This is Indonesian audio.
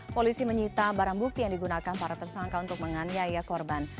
polisi menyita barang bukti yang digunakan para tersangka untuk menganiaya korban